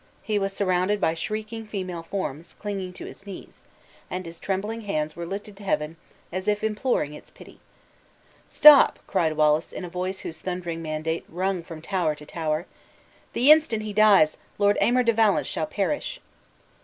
He was surrounded by shrieking female forms, clinging to his knees; and his trembling hands were lifted to heaven, as if imploring its pity. "Stop!" cried Wallace, in a voice whose thundering mandate rung from tower to tower. "The instant he dies, Lord Aymer de Valence shall perish!"